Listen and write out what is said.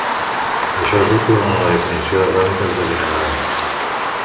Això és útil en la definició de còniques degenerades.